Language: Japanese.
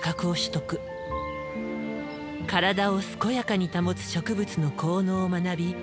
体を健やかに保つ植物の効能を学び